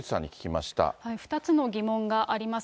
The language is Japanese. ２つの疑問があります。